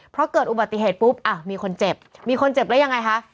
เพราะเกิดอุบัติเหตุปุ๊บอ่ะมีคนเจ็บมีคนเจ็บแล้วยังไงคะ